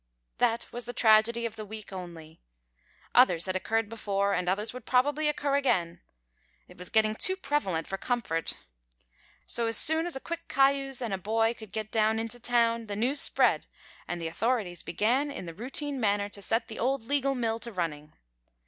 That was the tragedy of the week only. Others had occurred before and others would probably occur again. It was getting too prevalent for comfort. So, as soon as a quick cayuse and a boy could get down into town, the news spread and the authorities began in the routine manner to set the old legal mill to running.